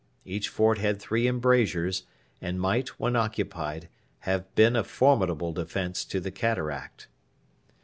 Each fort had three embrasures, and might, when occupied, have been a formidable defence to the cataract.